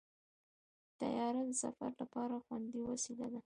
طیاره د سفر لپاره خوندي وسیله ده.